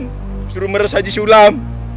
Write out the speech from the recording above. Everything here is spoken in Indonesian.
disuruh meres haji sulam